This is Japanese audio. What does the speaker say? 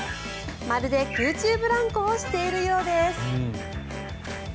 まるで空中ブランコをしているようです。